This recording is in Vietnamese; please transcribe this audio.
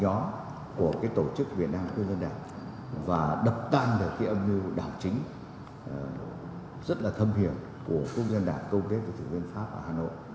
gió của cái tổ chức việt nam quốc dân đảng và đập tan được cái âm nhu đảo chính rất là thâm hiểm của quốc dân đảng cung kết với thủ viên pháp ở hà nội